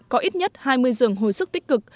có ít nhất hai mươi giường hồi sức tích cực